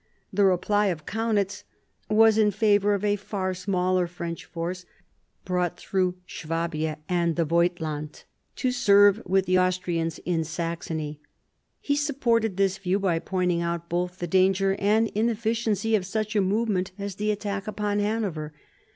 The reply of Kaunitz was in favour of a far smaller French force, brought through Swabia and the Voigt land, to serve with the Austrians in Saxony. He supported this view by pointing out both the danger and inefficiency of such a movement as the attack upon Hanover.